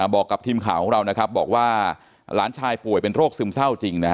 บอกกับทีมข่าวของเรานะครับบอกว่าหลานชายป่วยเป็นโรคซึมเศร้าจริงนะฮะ